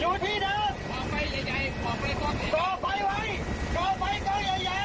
อยู่ที่ด้านปลอกไฟใหญ่ใหญ่ปลอกไฟปลอกไฟปลอกไฟไว้ปลอกไฟก็ใหญ่ใหญ่